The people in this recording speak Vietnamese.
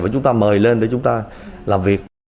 và chúng ta mời lên để chúng ta làm việc